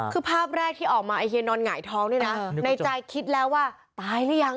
คือภาพแรกที่ออกมาไอเฮียนอนหงายท้องนี่นะในใจคิดแล้วว่าตายหรือยัง